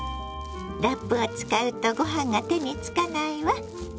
ラップを使うとご飯が手につかないわ。